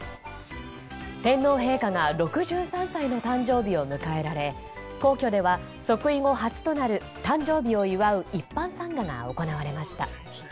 天皇陛下が６３歳の誕生日を迎えられ皇居では即位後初となる誕生日を祝う一般参賀が行われました。